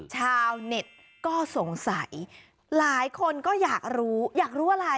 ชาวเน็ตก็สงสัยหลายคนก็อยากรู้อยากรู้อะไร